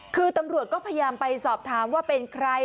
คือตำรวจก็พยายามไปสอบถามว่าเป็นใคร